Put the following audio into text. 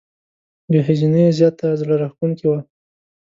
ګهیځنۍ یې زياته زړه راښکونکې وه.